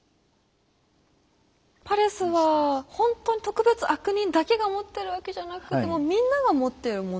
パレスはほんとに特別悪人だけが持ってるわけじゃなくてみんなが持ってるものだったり。